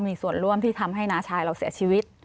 มีส่วนร่วมที่ทำให้น้าชายเราเสียชีวิต